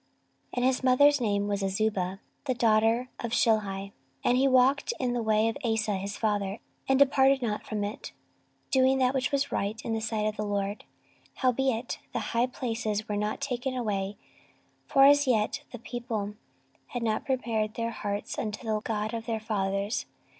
And his mother's name was Azubah the daughter of Shilhi. 14:020:032 And he walked in the way of Asa his father, and departed not from it, doing that which was right in the sight of the LORD. 14:020:033 Howbeit the high places were not taken away: for as yet the people had not prepared their hearts unto the God of their fathers.